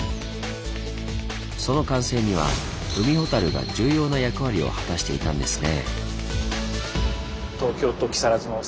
その完成には海ほたるが重要な役割を果たしていたんですね。